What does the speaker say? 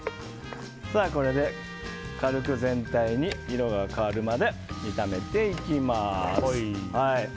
これで軽く全体の色が変わるまで炒めていきます。